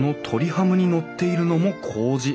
ハムに載っているのもこうじ。